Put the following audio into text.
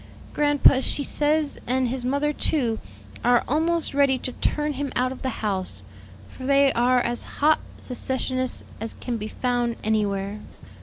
Grandpa, she says, and his mother, too, are almost ready to turn him out of the house; for they are as hot secessionists as can be found anywhere.